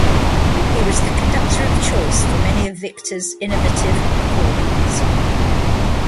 He was the conductor of choice for many of Victor's innovative recordings.